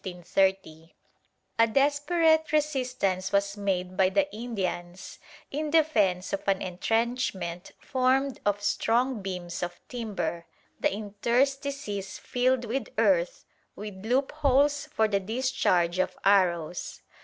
A desperate resistance was made by the Indians in defence of an entrenchment formed of strong beams of timber, the interstices filled with earth, with loopholes for the discharge of arrows.